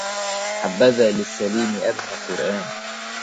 حبذا للسليم أبهى قران